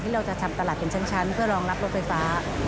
เราจะทำตลาดเป็นชั้นเพื่อรองรับรถไฟฟ้า